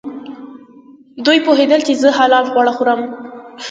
دوی پوهېدل چې زه حلال خواړه خورم.